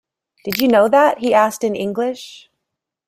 "Did you know that?" he asked in English.